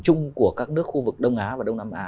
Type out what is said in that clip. chung của các nước khu vực đông á và đông nam á